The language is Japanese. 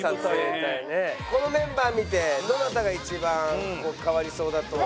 このメンバー見てどなたが一番変わりそうだと？